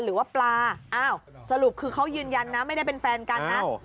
หรือว่าปลาอ้าวสรุปคือเขายืนยันนะไม่ได้เป็นแฟนกันนะ